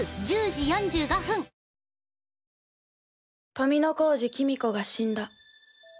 富小路公子が死んだ。